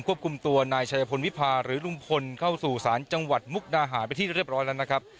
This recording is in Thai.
ควบคุมตัวนายชายพลวิพาหรือลุงพลเข้าสู่ศาลจังหวัดมุกดาหารไปที่เรียบร้อยแล้วนะครับ